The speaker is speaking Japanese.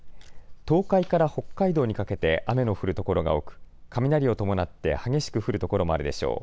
東海から北海道にかけて雨の降る所が多く雷を伴って激しく降る所もあるでしょう。